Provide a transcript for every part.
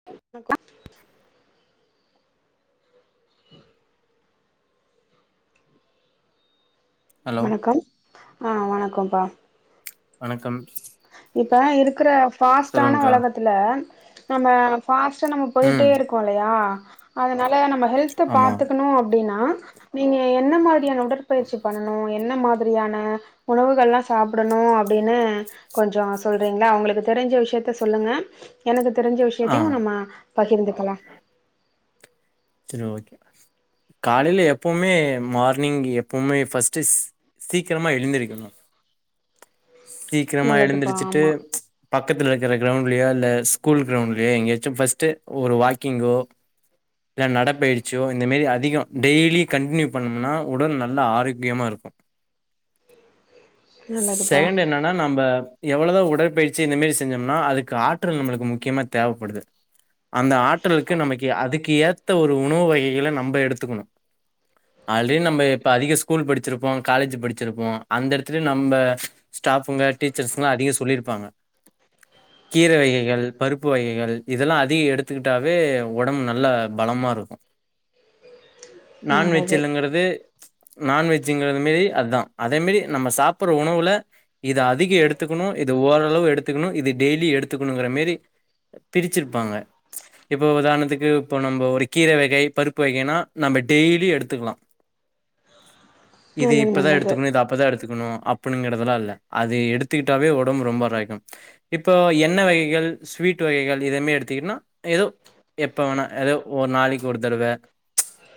[unintelligible] Hello வணக்கம் ஆ வணக்கம்ப்பா வணக்கம் இப்ப இருக்கிற ஃபாஸ்ட்டான சொல்லுங்க்கா ஒலகத்துல நம்ம ஃபாஸ்ட்டா நம்ம ம் போயிட்டே இருக்கோ இல்லையா அதனால நம்ம ஹெல்த் த ஆமா பாத்துக்கனு அப்டினா நீங்க என்ன மாரி ரியான உடற்பயிற்சி பண்ணனு என்ன மாதிரியான உணவுகள்லா சாப்டணு அப்டினு கொஞ்சோ சொல்றீங்ளா ஒங்களுக்கு தெரிஞ்ச விஷ்யத்த சொல்லுங்க எனக்கு தெரிஞ்ச ஆ விஷ்யத்தயு நம்ம பகிர்ந்துகலா செரி ஓகே காலைல எப்பவுமே மார்னிங் எப்பவுமே ஃபர்ஸ்டிஸ் சீக்கரமா எழுந்திருக்கணு [inaudible] சீக்கரமா நல்லதுப்பா எழுந்திருச்சிட்டு ஆமா பக்கத்துல இருக்குற க்ரௌண்ட்லியா இல்ல ஸ்கூல் க்ரௌண்ட்லியா எங்கியாச்சு ஃபஸ்ட்டு ஒரு வாக்கிங்கோ இல்ல நடப்பயிற்ச்சியோ இந்த மேரி அதிகோ டெய்லி கண்ட்னியூ பண்ணம்னா உடல் நல்லா ஆரோக்கியமாருக் [inaudible] நல்லதுப்பா செகெண்டு என்னா னா நம்ப எவ்ளதா உடற்பயிற்சி இந்த மேரி செஞ்சம்னா அதுக்கு ஆற்றல் நம்ளுக்கு முக்கியமா தேவப்படுது அந்த ஆற்றலுக்கு நமக்கு அதுக்கு ஏத்த ஒரு உணவு வகைகளை நம்ப எடுத்துக்குணு ஆல்ரெடி நம்ப இப்ப அதிக ஸ்கூல் படிச்சிருப்போ காலேஜ் படிச்சிருப்போ அந்த இடத்துலயே நம்ப ஸ்டாஃபுங்க டீச்சர்ஸ்ல்லா அதிக சொல்லிருப்பாங்க கீர வகைகள் பருப்பு வகைகள் இதெல்லா அதிக எடுத்துக்கிட்டாவே ஒடம்பு நல்லா பலமாருக்கூ நான்வெஜ் நல்லது இல்லங்கிறது நான்வெஜ்ங்கிறது மேரி அதா அதே மேரி நம்ம சாப்புற உணவுல இது அதிக எடுத்துக்குணு இது ஓரளவு எடுத்துக்குணு இது டெய்லி எடுத்துக்குணுங்கிற மேரி பிரிச்சிர்ப்பாங்க இப்போ உதாரணத்துக்கு இப்போ நம்போ ஒரு கீர வகை பருப்பு வகைனா நம்ம டெய்லி எடுத்துக்லா இது நல்லது இப்பதா நல்லது எடுத்துக்குணு இது அப்பதா எடுத்துக்கூணு அப் அப்புனுங்கறதல்லா இல்ல அது எடுத்துக்கிட்டாவே ஓடம்பு ரொம்ப ராய்க்கும் இப்போ எண்ண வகைகள் ஸ்வீட் வகைகள் இதமே எடுத்துக்கிட்டனா ஏதோ எப்போ வேணா எதோ ஒரு நாளைக்கி ஒரு தடவ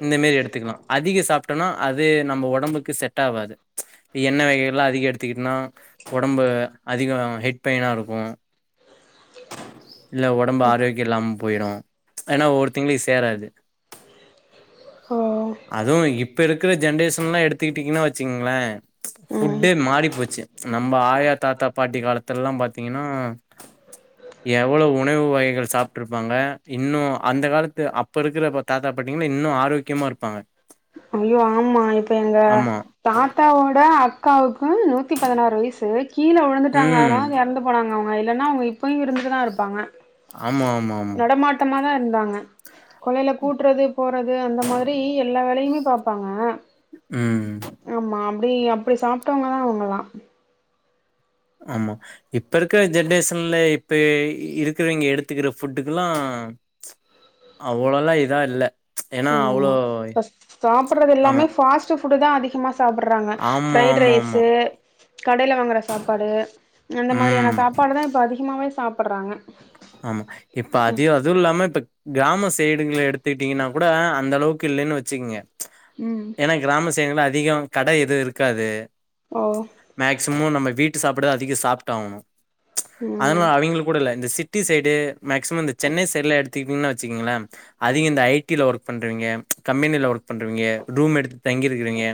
இந்த மேரி எடுத்துக்லா அதிக சாப்ட்டோனா அது நம்ப ஒடம்புக்கு செட் ஆவாது எண்ண வகைகல்லா அதிக எடுத்துக்கிட்னா ஒடம்பு அதிகொ ஹெட் பெயினாருக்கூ இல்ல ஒடம்பு ஆரோக்கியொ இல்லாம போயிடு ஏன்னா ஒருத் திங்ளுக்கு சேராது ஓ அதுவு இப்ப இருக் குற ஜென்ரேஷன் எல்லா எடுத்துக்கிட்டீங்கன்னு வச்சிங்ள ம் ஃபுட்டே மாறி போச்சு நம்ம ஆயா தாத்தா பாட்டி காலத்துலல்லாம் பாத்தீங்கன்னா எவ்வளவு உணவு வகைகள் சாப்ட்டுருப்பாங்க இன்னு அந்த கால த்து அப்ப இருக்கிற தாத்தா பாட்டிங்கன்னா இன்னு ஆரோக்கியமா இருப்பாங்க அய்யோ ஆமா இப்ப எங்க ஆமா தாத்தாவோட அக்காவுக்கூ நூத்தி பதினாறு வயசு கீழ விழுந்துட்டாங்க ம் அதனால எறந் போனாங்க அவுங்க இல்லன்னா அவுங்க இப்பயு இருந்துட்டுதா இருப்பாங்க ஆமா ஆமா ஆமா த்தமா தா இருந்தாங்க கொள்ளைல கூட்றது போறது அந்த மாரி எல்லா வேலையு பாப்பாங்க ம் ஆமா அப்டி அப்டி சாப்ட்டவங்கதா அவுங்கல்லா ஆமா இப்ப இருக்கிற ஜென்ரேஷன்ல இப்ப இருக்கிறவிங்க எடுத்துக்கிற ஃபுட்டுக்குல்லா அவ்வுளல்லா இதா இல்ல ஏன்னா அவ்ளோ ஆமா ஃபஸ்ட் சாப்புட்றது ஆமா எல்லாமே ஃபாஸ்ட் ஃபுட் தா அதிகமா தாப்புட்றாங்க ஆமா ஃப்ரைட் ஆமா ஆமா ரைஸு கடையில வாங்குற சாப்பாடு அந்த மாதிரியான ம் சாப்பாடுதான் இப்ப அதிகமாவே சாப்பறாங்க ஆமா இப்ப அதி அதுவுல்லாம இப்ப கிராம சைடுங்ள எடுத்துக்கிட்டீங்கன்னா கூட அந்த அளவுக்கு இல்லேன்னு வச்சிகிங்க ம் கிராம சைடுங்கள்ள அதிகொ கடை எதுவு இருக்காது ஓ மேக்சிம நம்ம வீட்டு சாப்பாடு அதிக சாப்ட்டாகணு ம் அதனா அவிங்களு கூட இல்ல இந்த சிட் ட்டி சைடு மேக்சிம இந்த சென்னை சைட்ல எடுத்துக்கிட்டீங்னா வச்சுக்குங்ளே அதிக இந்த ஐ டி ல ஒர்க் பண்றவிங்கெ கம்பெனில ஒர்க் பண்றவிங்கெ ரூம் எடுத்து தங்கிருக்குறவிங்கெ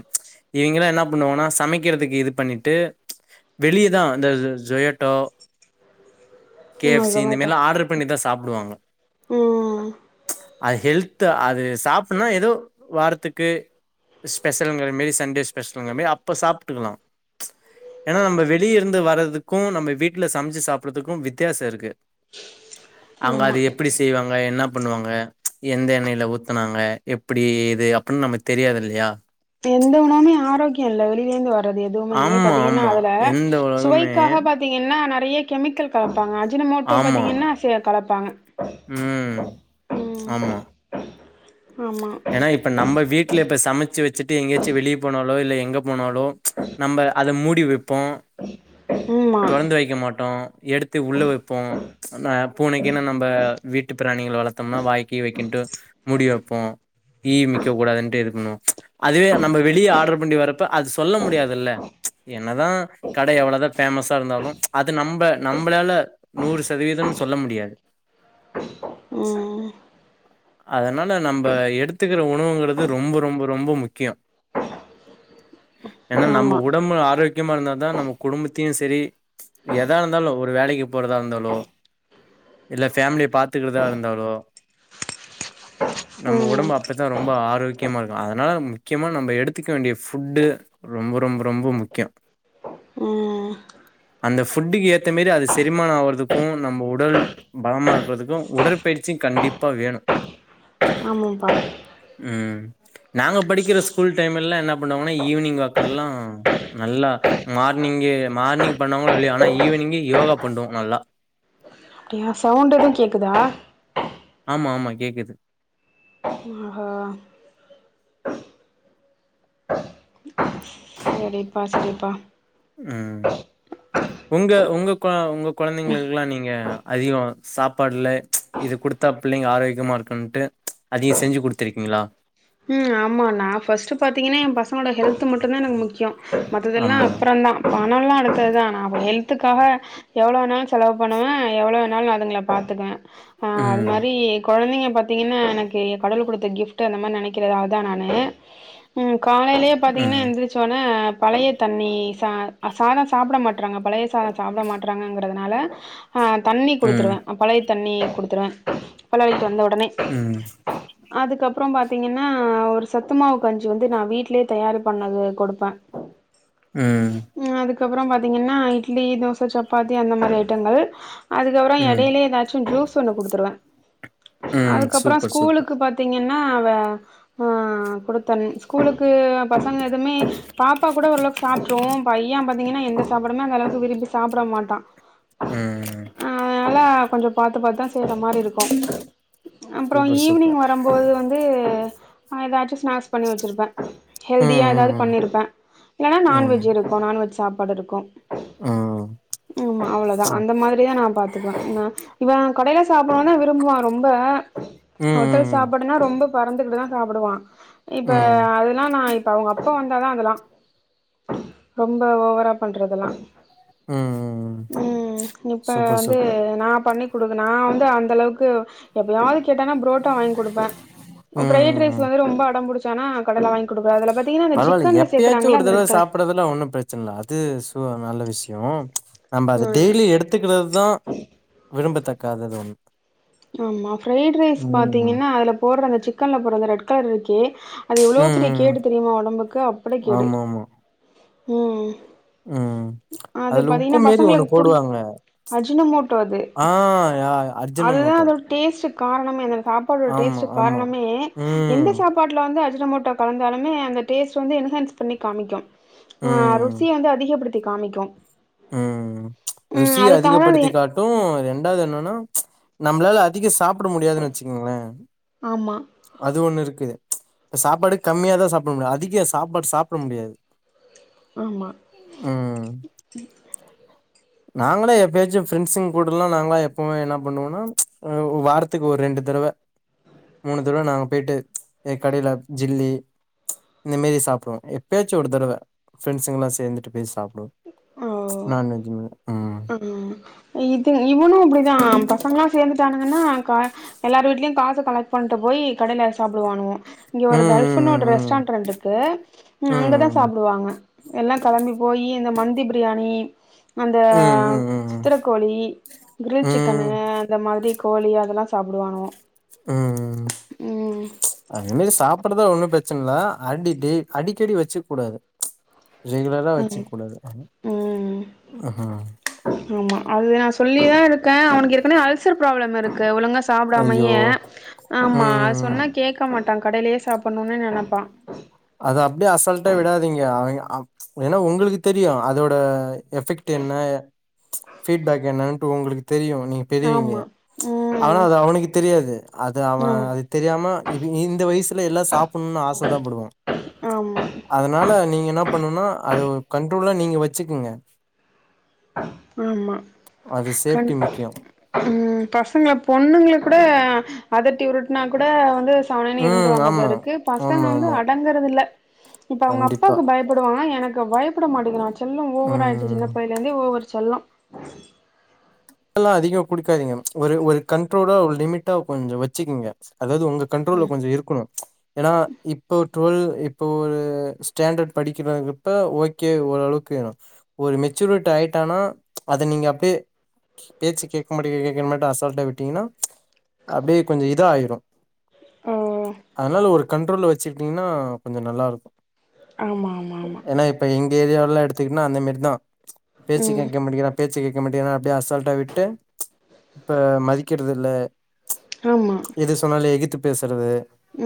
இவங்கெளா என்ன பண்ணுவானா சமைக்கிறதுக்கு இது பண்ணிட்டு வெளியதா இந்த ஜோ ஜோயாட்டோ ம் சி இந்த சொமேட்டோ மார்லா ஆர்ட்ரு பண்ணி தா சாப்டுவாங்க ம் அது ஹெல்த்து அது சாப்புட்னா எதோ வாரத்துக்கு ஸ்பெஷலுங்கிற மாரி சண்டே ஸ்பெஷலுங்கிற மாரி அப்ப சாப்ட்டுக்கலா ஏனா நம்ம வெளிய இருந்து வரதுக்கு நம்ம வீட்ல சமைச்சு சாப்பிட்றதுக்கு வித்தியாச இருக்கு அங்க ஆமா அது எப்டிஸ் செய்வாங்க என்ன பண்ணுவாங்க எந்த எண்ணெய்ல ஊத்துனாங்க எப்டி இது அப்டின் நமக்கு தெரியாது இல்லையா எந்த உணவுமே ஆரோக்ய இல்ல வெளிலருந்து வர து எதுவுமே ஆமா பாத்தீங்கனா ஆமா அதுல எந்த உலகமே சுவைக்காக பாத்தீங் கன்னா நெறைய கெமிக்கல் கலப்பாங்க அஜினமோட்டோ ஆமா பாத்தீங்கன்னா சிலர் கலப்பாங்க ம் ம் ஆமா ஆமா ஏனா இப்ப நம்ம வீட்ல இப்ப சமச்சு வச்சுட்டு எங்கயாச்சு வெளியே போனாலு இல்ல எங்க போனாலு நம்ப அத மூடி வெப்போ ம்மா தொறந்து வெக்க மாட்டோ எடுத் த்து உள்ள வெப்போ நா பூனைக்குனு நம்ப வீட்டு பிராணிகள் வளத்தம்னா வாய் கீய் வக்கின்ட்டு மூடி வப்போ ஈமிக்க கூடாதுன்ட்டு இது பண்ணுவோ அதுவே நம்ம வெளிய ஆர்ட்ரு பண்ணி வரப்ப அது சொல்ல முடியாதுல்ல என்னதா கட எவளதா ஃபேமஸ் தா இருந்தாலு அது நம்ப நம்பளால நூறு சதவீதம்னு சொல்ல முடியாது ம் அதனா ல நம்ப எடுத்துக்கிற உணவுங்கிறது ரொம்ப ரொம்ப ரொம்ப முக்கிய ஏனா நம்ப ஆமா உடம்பு ஆரோக் கியமா இருந்த தா நம்ப குடும்பத்தையு செரி எதா இருந்தாலு ஒரு வேலைக்கு போறதா இருந்தாலு இல்ல ஃபேம்லிய பாத்துக்கிட்டுதா இருந்தாலு நம்ப ம் உடம்பு அப்பதா ரொம்ப ஆரோக்கியமா இருக்கு அதனால முக்கியமா நம்ப எடுத்துக்க வேண்டிய ஃபுட்டு ரொம்ப ரொம்ப ரொம்ப முக்கிய ம் அந்த ஃபுட்டுக்கு ஏத்த மாரி அது செரிமான ஆவறதுக்கு நம்ப உடல் பலமா இருக்குறதுக்கு உடற்பயிற்சி கண்டிப்பா வேணு ஆமாம்பா ம் நாங்க படிக்கிற ஸ்கூல் டைமெல்லா என்ன பண்ணுவாங்கனா ஈவ்னிங் வாக்கல்லா நல்லா மார்னிங்கு மார்னிங் பண்ணமோ இல்லயோ ஆனா ஈவினிங்கு யோகா பண்டுவோ நல்லா ஏ சவுண்ட் எதுவு கேக்குதா ஆமா ஆமா கேக்குது ம் ஆஹா செரிப்பா செரிப்பா ம் உஹ உங்க உங்க கொ உங்க கொழந்தைங்களுக்குலா நீங்க அதிக சாப்பாட்ல இது குடுத்தா பிள்ளைங்க ஆரோக்கியமா இருக்குன்ட்டு அதிக செஞ்சு குடுத்திருக்கீங்ளா ம் ஆமா நா ஃபஸ்ட்டு பாத்தீங்கனா எ பசங்களோட ஹெல்த்து மட்டு்தா எனக்கு முக்கிய மத்ததெல்லா ஆமா. அப்பறந்தா பணல்லா அடுத்தத்தா ஆனா ப ஹெல்த்துக்காக எவ்ளோ வேணாலு செலவு பண்ணுவ எவ்ளோ வேணாலு அதுங்ள பாத்துக்குவே ஆ அது ம். மாரி கொழந்திங்க பாத்தீங்கன்னா எனக்கு கடவ்ளு குடுத்த கிஃப்ட்டு அந்த மார் நெனைக் கிற நா அதா நானு ம் காலையிலேயே பாத்தீங்கன்னா ம். எந்திரி ச்சொன்ன பழைய தண்ணி ச சாதம் சாப்பிட மாட்றாங்க பழைய சாத சாப்ட மாட்றாங்க ன்றதனால அ தண்ணி ம். குடுத்துருவே அ பழய தண்ணிய குடுத்துருவே பழவைக்கு வந்த ஒ சொன்னே ம். அதுக்கப்புறம் பாத் பாத்தீங்கன்னா ஒரு சத்துமாவு கஞ்சி வந்து நா வீட்லயே தயாரு பண்ணது கொடுப்ப ம் ம் அதுக்கப்புறம் பாத்தீங்கன்னா இட்லி தோச சப்பாத்தி அந்த மாரி ஐட்டங்கள் அதுக்கப்புற ம். எடையிலய எதாச்சு ஜூஸ் ஒன்னு குடுத்திருவே ம். அதுக்கப்புற சூப்பர் சூப்பர். ஸ்கூலுக்கு பாத்தீங்கன்னா அவ அ குடுத்தன் ஸ்கூலுக்கு பசங்க எதுமே பாப்பா கூட ஓரளவ்க் சாப்ட்ரு பைய பாத்தீங்கன்னா எந்த சாப்பாடுமே அந்தளவுக்கு விரும்பி சாப்பிட மாட்டா ம் அதனால கொஞ்சு பாத்து பாத்து தா செய்ற மாரி இருக்கு அப்புறோ சூப்பர் ஈவினிங் சூப்பர். வரும்போது வந்து அ எதாச்சு ஸ்நாக்ஸ் பண்ணி வெச்சுருப்பே ஹெல்தியா எதாவ்து ம். பண்ணிருப்பே இல்லனா ம். ம். ம். நான்வெஜ்ஜு இருக்கு நான்வெஜ் சாப்பாடு இருக்கு ம் ம் அவ்வளதா ஆ. அந்த மாரிதா நா பாத்துக்குவே நா இவ கடையில சாப்பிடதா விரும்புவா ரொம்ப ம். ஹோட்டல் ம். சாப்பாடுனா ரொம்ப நட்ந்துகிட்டு தா சாப்பிடுவா ம். ம். இப்ப ம். அதெல்லா நா இப் இப்ப அவுங்க அப்பா வந்தாதா அதெல்லா ரொம்ப ஓவரா பண்றதெல்லா ம். ம் இப்ப சூப்பர் வந்து சூப்பர். நா பண்ணி குடுப்ப நா வந்து அந்தளவுக்கு எப்பயாவ்து கேட்டானா ப்ரோட்டா வாய்ங் குடுப்பே ஃப்ரைட்ரைஸு ம். வந்து ரொம்ப அடம்புடிச்சானா கடல வாய்ங் குடுப்பே அதுல பாத்தீங்கன்னா அந்த சிக்கன்ல சேக்குறாங்கல அந்த ரெட்க்லர் ல ஒன்னும் ப்ரெச்சன் இல்ல அது சொ நல்ல விஷ்யோ நம்ப அத ம் டெய்லி எடுத் துக்கிறதா விரும்பத்தக்காதது ஒண் ஆமா ஃப்ரைட் ரைஸ் ம். பாத்தீங்கென்னா அதுல போடுற அந்த சிக்கன்ல போற அந்த ரெட் கலர்ருக்கே அது எவ்ளோ பெரிய ம். கேடு தெரியுமா ஒடம்புக்கு அப்படி கேடு ஆமாமா. ம் ம் அது அதுல உப்பு பாத்தீங்கன்னா மேரி ஒண்ணு பசங்களுக்கு புரி போடுவாங்க அஜினமோட்டோ அது ஆ அ அதுதா அதோட டேஸ்ட்டுக் காரணமே அந்த சாப்பாடோட் ஆமா, டேஸ்ட்டு ஆமா. காரணமே ம். எந்த சாப் பாட்ல வந்து அஜின மோட்டா கலந்தாலுமே அந்த டேஸ்ட் வந்து என்ஹான்ஸ் பண்ணி காமிக்கு ஆ ம். ருசியந்து அதிகப்படுத்தி காமிக்கு ம் ம் ருசிய அதுக்காக அது அதிகப்படுத்தி எ காட் டு ரெண்டாவ்து என்னன்னா நம்ப்ளால அதிக சாப்பிட முடியாதுன்னு வெச்சுக்கிங்களே ஆமா அது ஒண்ணு இருக்குது இப்ப சாப்பாடு கம்மியா தா சாப்ட முடியு அதிக சாப்பாடு சாப்பிட முடியாது ஆமா ம் நாங்களே எப்பயாச்சு ஃப்ரெண்ட்ஸுங்கூடல்லா நாங்க எப்பவுமே என்ன பண்ணுவோனா அ வாரத் த்துக்கு ஒரு ரெண்டு தடவ மூணு தடவ நாங்க போய்டிட்டு எங் கடைல ஜில்லி இந்த மேரி சாப்வோ எப்பயாச்சு ஒரு தடவ ஃப்ரெண்ட்ஸுங் எல்லா சேர்ந்துட்டு போய் சாப் ஒ ஓ நான்வஜ் மா ம் ம் இது இவனும் அப்டிதா பசங்கள் எல்லா சேந்துட்டானுங்கன்னா கா எல்லாரும் வீடலய காச கலெக்ட் பண்ணிட்டு போய் கடையில சாப்டுவானுங்க இங்க ஒரு ம் கேல்ஃப் பென் ஒரு ம் ரெஸ்டான்ட்ரண்ட் இருக்கு ம் அங்கதான் ம் சாப்டுவாங்க எல்லா கெளம்பி போய் இந்த மந்தி பிரியாணி அந்த ம் ம் சித்திரக்கோழி கிரில் சிக்கனு ம் அந்த மாதிரி கோழி அதெல்லா சாப்டுவாங்க ம் அ என்னைக்கு சாப்படுத ஒன்னு பிரச்சன இல்ல அடி டெய் அடிக்கடி வச்சுக் கூடாது ரெகுலரா ம் வச்சுக் கூடாது ம் அஹா ஆமா அது நா சொல்லிதா இருக்கேன் அவனுக்கு ஏற்கன அல்சர் ப்ராப்ளம் இருக்கு ஒழுங்கா ஐயோ சாப்டாமையே ஆமா அ ம் சொன்னா கேட்க மாட்டான் கடையிலயே சாப்பணும்னு நெனைப்பான் அத அப்டியே அசல்ட்ட விடாதீங்க அவிங்க அப் ஏன்னா உங்களுக்கு தெரியும் அதோட எஃபெக்ட் என்ன ஃபீட்பேக் என்னட்டு உங்களுக்கு தெரியும் நீ பெரியவிங்க ஆமா ஆனா ம் அது அவனுக்கு தெரியாது அது அவன் ஆமா அது தெரியாம இவிங்க இந்த வயசுல எல்லா சாப்பணும்ன்னு ஆச தான் படுவோ ஆமா அதனால நீங்க என்ன பண்ணும்னா அது கண்ட்ரோல்லா நீங்க வச்சுக்குங்க ஆமா அது கண் சேஃப்டி முக்கியோ ம் பசங்கள பொண்ணுங்கள கூட அதட்டி உருட்டுனா கூட வந்து சவனேன் ம் இருந்துருவாங்க போல ஆமா இருக்கு பசங்க ஆமா வந்து ஆமா அடங்குறது இல்ல இப்ப அவுங்க கண்டிப்பா அப்பாவுக்கு பயப்படுவாங்க எனக்கு பயப்பட மாட்டேங்குறா செல்லொ ஒவரா ஆயிச்சு ம் சின்ன லஇருந்தே ஒவர் செல்லொ ல்லா அதிகொ குடுக்காதிங்க ஒரே ஒரு கண்ட்ரோலா ஒரு லிமிட்டா கொஞ்ச வச்சுக்குங்க அதாவ்து உங்க கண்ட்ரோல்ல கொஞ்ச இருக்கணும் ஏன்னா இப்போ டுவெல் இப்போ ஒரு ஸ்டாண்டர்ட் படிக்கிறங்கிறப்ப ஓகே ஓரளவுக்கு வேணும் ஒரு மெச்சூரிட் ஆயிட்டனா அத நீங்க அப்டியே பேச்சு கேக்க மாட்டிக்கே கேக்கமாட்ட அசல்ட்டா விட்டீங்கன்னா அப்டியே கொஞ்சம் இதா ஆயிரும் ஓ அதனால ஒரு கண்ட்ரோல்ல வச்சுட்டீங்கன்னா கொஞ்ச நல்லா இருக்கும் ஆமா ஆமா ஆமா ஏன்னா இப்ப எங்க ஏரியாவ்ல்லா எடுத்துக்கிட்ன்னா அந்த மேரிதா பேச்சு ம் கேக்க மாட்டிக்ற பேச்சு கேக்க மாட்டிகின்னா அப்டியே அசால்ட்டா விட்டு இப்ப மதிக்கிறது இல்ல ஆமா எது சொன்னாலும் எகித்து பேசுறது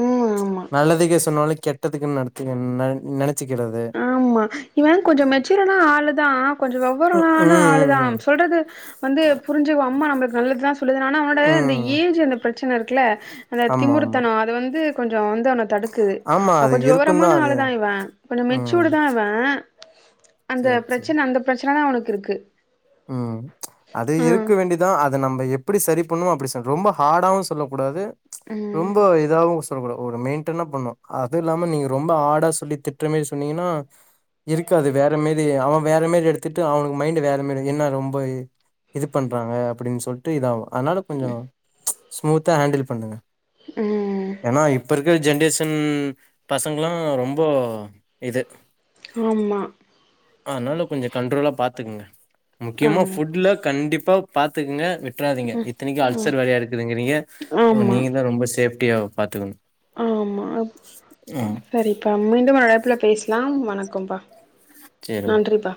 ம் ஆமா நல்லதுக்கு சொன்னாலும் கெ ட்டத்துக்குன்னு நட ந நனைச்சுக்கிறது ஆமா இவ கொஞ்சோ மெச்சூரானா ஆளு தா கொஞ்சோ ம் வெவ்வெரமான ஆளு ம் தான் ம் சொல்றது வந்து புரிஞ்சுவ அம்மா நம்மளுக்கு நல்லதுதா சொல்லுவதனா ஆனா அவனோட இந்த ம் ஏஜ் அந்த பிரச்சன இருக்குல்ல அந்த ஆமா ஆமா திமுருத்தனொ அது வந்து கொஞ்சோ வந்து அவன தடுக்குது ஆமா அது கொஞ்சம் இருக்குந்தா விவரமான அது ஆளு தான் இவன் கொஞ்ச ம் மெச்சூடு தான் இவன் அந்த சேரி சேரி பிரச்சன அந்த பிரச்சன தா அவனுக்கு இருக்கு ம் அது ஆ இருக்க வேண்டிய தா அத நம்ம எப்டி சரி பண்ணுமோ அப்டி ரொம்ப ஹார்டாவும் சொல்லக்கூடாது ம் ரொம்ப இதாவு சொல்லக்கூடா ஒரு மெயின்ட்டனா பண்ணும் அது இல்லாம நீங்க ரொம்ப ஆடா சொல்லி திட்ற மேரி சொன்னீங்கன்னா இருக்காது வேற மேரி அவன் வேற மேரி எடுத்துட்டு அவனுக்கு மைண்ட் வேற மேரி என்ன ரொம்ப இது பண்றாங்க அப்டின் சொல்ட்டு இதாகு அதனால கொஞ்சோ ஸ்மூத்தா ஹேண்டில் பண்ணுங்க ம் ஏன்னா இப்ப இருக்கிற ஜென்ரேஷன் பசங்களா ரொம்போ இது ஆமா அதனால கொஞ்சோ கண்ட்ரோலா பாத்துக்கங்க முக்கியமா ஆமா ஃபுட்ல கண்டிப்பா பாத்துக்கங்க விட்ராதீங்க இத்தனைக்கு ம் அல்சர் வேறயா இருக்குதுங்கிறீங்க ஆமா நீங்க தான் ரொம்ப சேப்டியா பாத்துக்கணு ஆமா ம் சரிப்பா மீண்டு வேற அழைப்புல பேசலா வணக்கபா சேரி ஓகே நன்றிப்பா